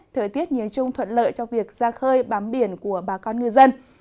thời tiết nhìn chung thuận lợi cho việc ra khơi bám biển của bà con ngư dân